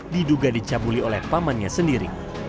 diduga dicabuli oleh pamannya sendiri